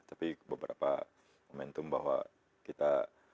tapi beberapa momentum bahwa kita